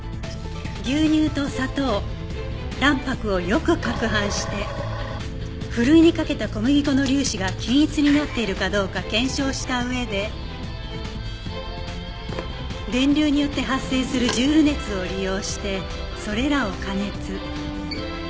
牛乳と砂糖卵白をよく攪拌してふるいにかけた小麦粉の粒子が均一になっているかどうか検証した上で電流によって発生するジュール熱を利用してそれらを加熱。